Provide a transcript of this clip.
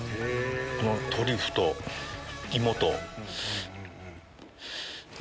このトリュフと芋と。